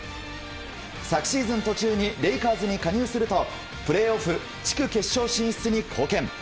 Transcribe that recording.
昨シーズン途中にレイカーズに加入するとプレーオフ地区決勝進出に貢献。